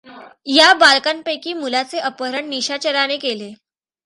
या बालकांपैकी मुलाचे अपहरण निशाचराने केले.